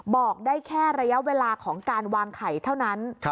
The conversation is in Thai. บอกได้แค่ระยะเวลาของการวางไข่เท่านั้น